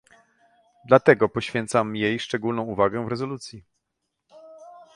Dlatego poświęcam jej szczególną uwagę w rezolucji